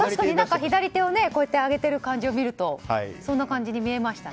左手を上げてる感じを見るとそんな感じに見えました。